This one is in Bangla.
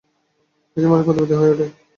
পৃথিবীর মানুষ প্রতিবাদী হয়ে ওঠে।